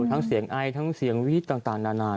ทั้งเสียงไอทั้งเสียงวีดต่างนานาน